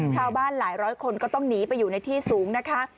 หลายร้อยคนก็ต้องหนีไปอยู่ในที่สูงนะคะ